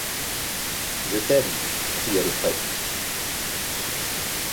Je t’aime! cria le prêtre.